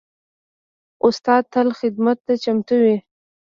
استاد تل خدمت ته چمتو وي.